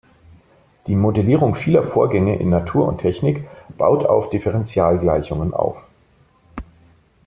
Die Modellierung vieler Vorgänge in Natur und Technik baut auf Differentialgleichungen auf.